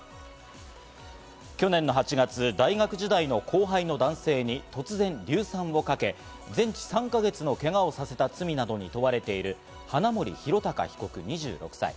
去年の８月、大学時代の後輩の男性に突然、硫酸をかけ、全治３か月のけがをさせた罪などに問われている花森弘卓被告、２６歳。